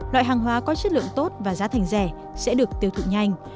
loại hàng hóa có chất lượng tốt và giá thành rẻ sẽ được tiêu thụ nhanh